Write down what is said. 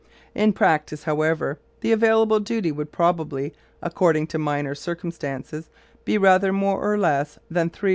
In practice, however, the available duty would probably, according to minor circumstances, be rather more or rather less than 300 horse power.